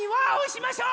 しましょう！